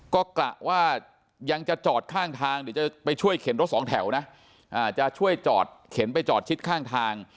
ก็กะว่ายังจะจอดข้างทางเดี๋ยวจะไปช่วยเข็นรถสองแถวนะจะช่วยจอดเข็นไปจอดชิดข้างทาง